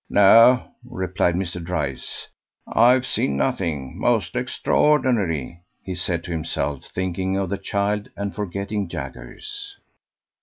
"No," replied Mr. Dryce, "I've seen nothing most extraordinary!" he said to himself, thinking of the child and forgetting Jaggers.